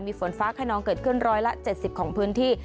มีฝนฟ้าขนองเกิดขึ้น๑๗๐ของพื้นที่